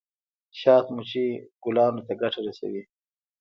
شات مچۍ ګلانو ته ګټه رسوي